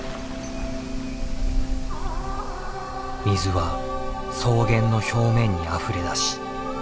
水は草原の表面にあふれ出し